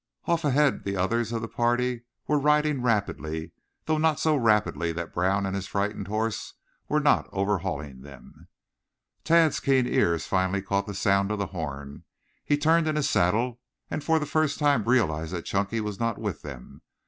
Off ahead the others of the party were riding rapidly, though not so rapidly that Brown and his frightened horse were not overhauling them. Tad's keen ears finally caught the sound of the horn. He turned in his saddle, and for the first time realized that Chunky was not with them.